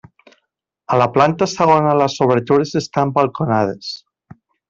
A la planta segona les obertures estan balconades.